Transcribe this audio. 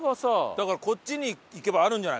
だからこっちに行けばあるんじゃないか？